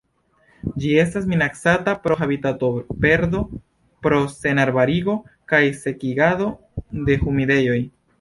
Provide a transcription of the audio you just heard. Ĝi estas minacata pro habitatoperdo pro senarbarigo kaj sekigado de humidejoj.